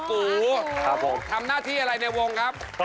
๑กับ๓เชิญเลยนะครับ